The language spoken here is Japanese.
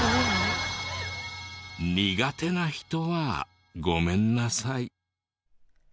苦手な人はごめんなさい。